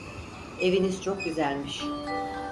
Eviniz çok güzelmiş.